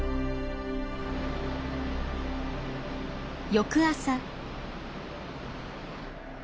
翌朝。